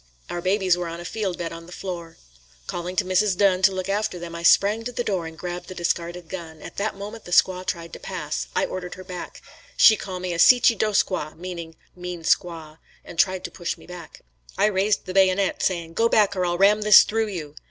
Our babies were on a field bed on the floor. Calling to Mrs. Dunn to look after them, I sprang to the door and grabbed the discarded gun. At that moment, the squaw tried to pass. I ordered her back. She called me a "Seechy doe squaw" meaning "mean squaw" and tried to push me back. I raised the bayonet saying, "Go back or I'll ram this through you."